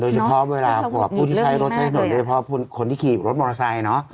เฉพาะเวลาผู้ที่ใช้รถใช้ถนนโดยเฉพาะคนที่ขี่รถมอเตอร์ไซค์